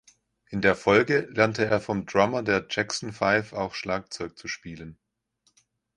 In der Folge lernte er vom Drummer der Jackson Five auch Schlagzeug zu spielen.